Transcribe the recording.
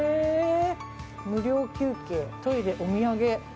無料休憩、トイレ、お土産。